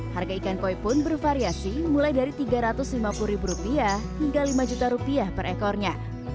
harga ikan koi pun bervariasi mulai dari rp tiga ratus lima puluh ribu rupiah hingga lima juta rupiah per ekornya